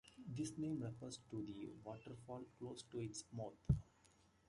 This name refers to the waterfall close to its mouth.